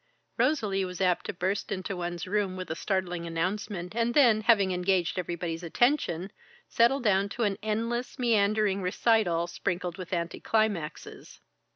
Rosalie was apt to burst into one's room with a startling announcement and then, having engaged everybody's attention, settle down to an endless, meandering recital sprinkled with anti climaxes.